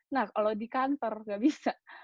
nah kalau di kantor nggak bisa